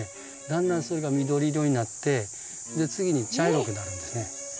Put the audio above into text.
だんだんそれが緑色になってで次に茶色くなるんですね。